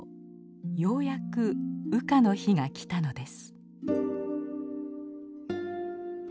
ようやく羽化の日が来たのです。